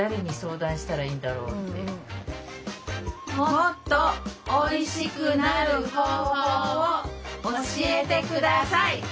もっとおいしくなる方法を教えて下さい。